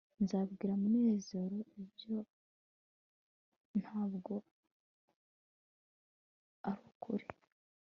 nzabwira munezero ibyo ntabwo arukuri